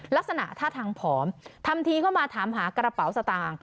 ลักษณะท่าทางผอมทำทีเข้ามาถามหากระเป๋าสตางค์